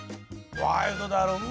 ワイルドだろ？